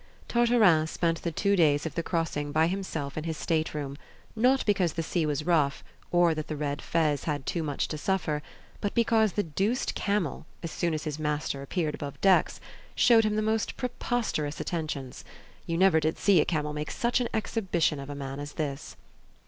Tartarin spent the two days of the crossing by himself in his stateroom, not because the sea was rough, or that the red fez had too much to suffer, but because the deuced camel, as soon as his master appeared above decks, showed him the most preposterous attentions. You never did see a camel make such an exhibition of a man as this.